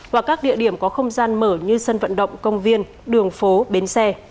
và các địa điểm có không gian mở như sân vận động công viên đường phố bến xe